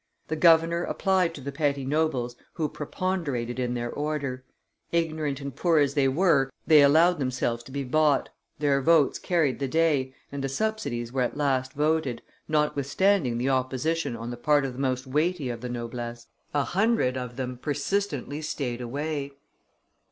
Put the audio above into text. The governor applied to the petty nobles who preponderated in their order; ignorant and poor as they were, they allowed themselves to be bought, their votes carried the day, and the subsidies were at last voted, notwithstanding the opposition on the part of the most weighty of the noblesse; a hundred of them persistently staid away.